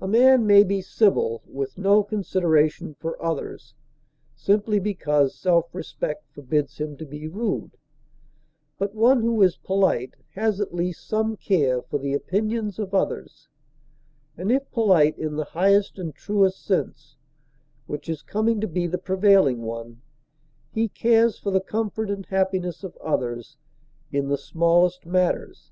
A man may be civil with no consideration for others, simply because self respect forbids him to be rude; but one who is polite has at least some care for the opinions of others, and if polite in the highest and truest sense, which is coming to be the prevailing one, he cares for the comfort and happiness of others in the smallest matters.